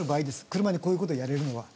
車にこういうことをやれるのは。